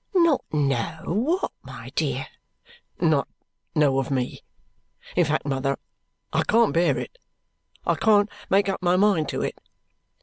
"Not know what, my dear?" "Not know of me. In fact, mother, I can't bear it; I can't make up my mind to it.